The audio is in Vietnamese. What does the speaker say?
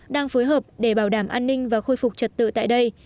đang phối hợp để bảo đảm an ninh và khôi phục trật tự tại đây